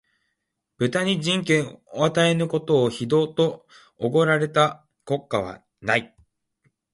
豚に人権を与えぬことを、非道と謗られた国家はない